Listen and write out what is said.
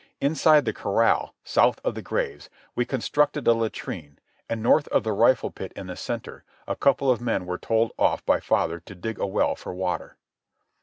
Inside the corral, south of the graves, we constructed a latrine, and, north of the rifle pit in the centre, a couple of men were told off by father to dig a well for water.